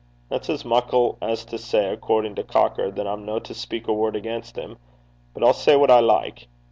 'That's as muckle as to say, accordin' to Cocker, that I'm no to speik a word against him. But I'll say what I like.